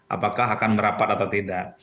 apakah akan merapat atau tidak